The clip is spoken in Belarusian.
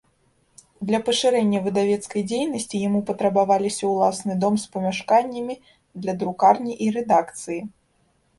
Для пашырэння выдавецкай дзейнасці яму патрабавалася ўласны дом з памяшканнямі для друкарні і рэдакцыі.